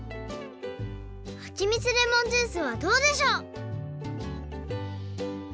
はちみつレモンジュースはどうでしょう？